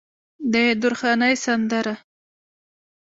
د درخانۍ سندره